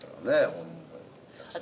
ホントに私